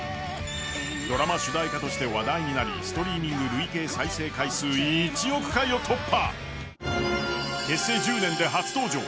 ドラマ主題歌として話題となりストリーミング再生回数１億回を突破。